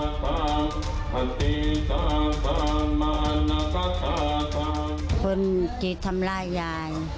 โดยโดยโดย